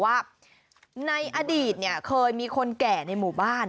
ชั้นก็เล่าให้ฟังบอกว่าในอดีตเคยมีคนแก่ในหมู่บ้าน